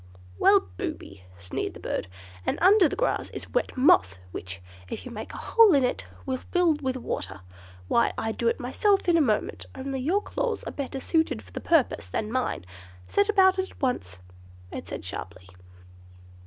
"Well, booby," sneered the bird, "and under the grass is wet moss, which, if you make a hole in it, will fill with water. Why, I'd do it myself, in a moment, only your claws are better suited for the purpose than mine. Set about it at once!" it said sharply.